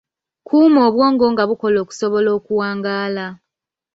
Kuuma obwongo nga bukola okusobola okuwangaala.